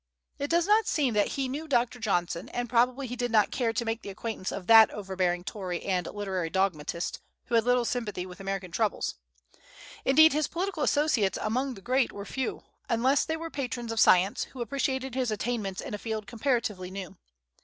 It does not seem that he knew Dr. Johnson, and probably he did not care to make the acquaintance of that overbearing Tory and literary dogmatist, who had little sympathy with American troubles. Indeed his political associates among the great were few, unless they were patrons of science, who appreciated his attainments in a field comparatively new.